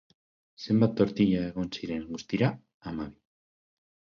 Zenbat tortila egon ziren guztira? Hamabi.